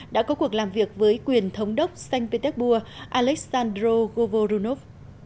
đã có cuộc làm việc với quyền thống đốc sanh pétek bua aleksandr govorunov